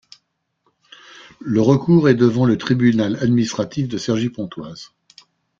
Le recours est devant le Tribunal administratif de Cergy-Pontoise.